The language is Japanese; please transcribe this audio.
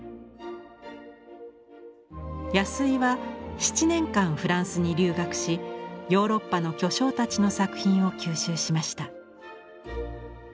安井は７年間フランスに留学しヨーロッパの巨匠たちの作品を吸収しました。